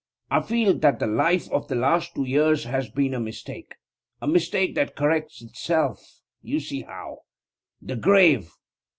I feel that the life of the last two years has been a mistake a mistake that corrects itself; you see how. The grave!